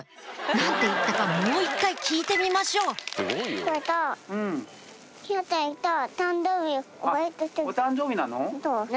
何て言ったかもう一回聞いてみましょうお誕生日なの？